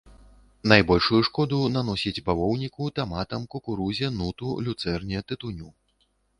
Найбольшую шкоду наносіць бавоўніку, таматам, кукурузе, нуту, люцэрне, тытуню.